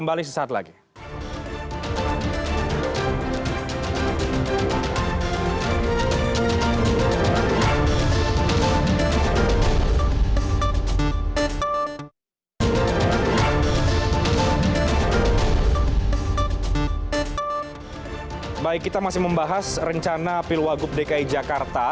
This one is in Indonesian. baik kita masih membahas rencana pilwagup dki jakarta